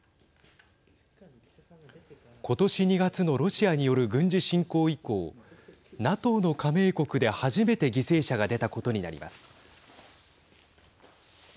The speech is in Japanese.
今年２月のロシアによる軍事侵攻以降ＮＡＴＯの加盟国で初めて犠牲者が出たことになります。